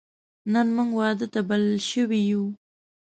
نن موږ واده ته بلل شوی یو